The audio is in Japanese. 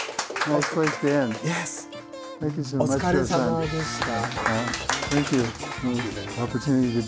お疲れさまでした。